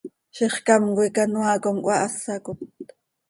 ¡Zixcám coi canoaa com cöhahásacot!